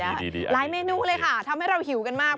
แล้วไอ้เมนูค่ะทำให้เราหิวกันมาก